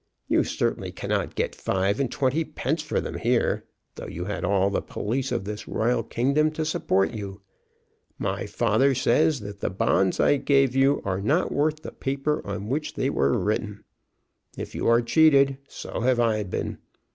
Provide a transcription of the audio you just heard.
You certainly cannot get five and twenty pence for them here, though you had all the police of this royal kingdom to support you. My father says that the bonds I gave you are not worth the paper on which they were written. If you are cheated, so have I been.